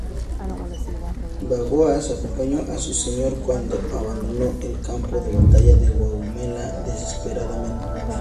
Bagoas acompañó a su señor cuando abandonó el campo de batalla de Gaugamela desesperadamente.